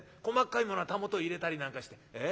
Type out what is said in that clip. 細かいものは袂入れたりなんかして。